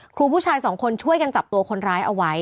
ครูผู้ชายสองคนช่วยกันจับตัวคนร้ายเอาไว้